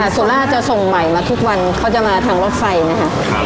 สุลาจะส่งใหม่มาทุกวันเขาจะมาทางลดไฟนะครับ